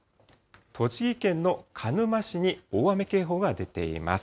栃木県の鹿沼市に大雨警報が出ています。